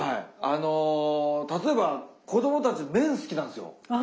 あの例えば子供たち麺好きなんですよ。